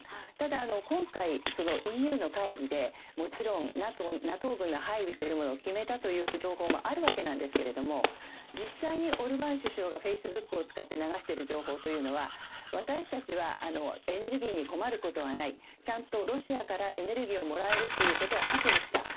ただ、今回ＥＵの会議でＮＡＴＯ軍の配備というものを決めたという情報もあるわけなんですが実際にオルバーン首相がフェイスブックを使って流している情報は、私たちはエネルギーに困ることはないちゃんとロシアからエネルギーをもらえるということは確保した。